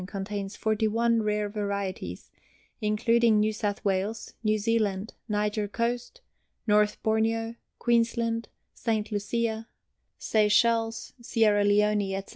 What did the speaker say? Contains 41 rare varieties, including New South Wales, New Zealand, Niger Coast, North Borneo, Queensland, St. Lucia, Seychelles, Sierra Leone, etc.